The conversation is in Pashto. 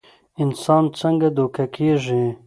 انسان څنګ دوکه کيږي